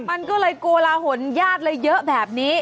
มันก็เลยโกลาหลญาติเลยเยอะแบบนี้